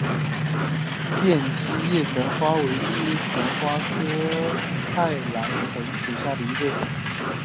变叶姬旋花为旋花科菜栾藤属下的一个种。